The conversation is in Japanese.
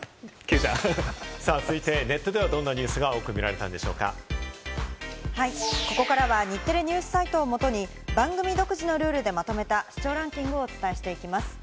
続いて、ネットではどんなニュースがはい、ここからは日テレＮＥＷＳサイトをもとに番組独自のルールでまとめた視聴ランキングをお伝えしていきます。